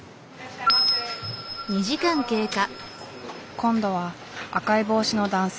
今度は赤い帽子の男性。